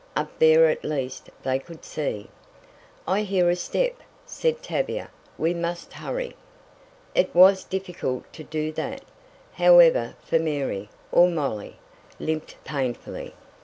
Up there at least they could see. "I hear a step," said Tavia. "We must hurry." It was difficult to do that, however, for Mary, or Molly, limped painfully.